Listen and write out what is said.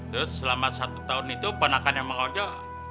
terus selama satu tahun itu keponakannya bang ojo